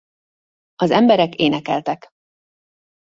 Az emberek énekeltek.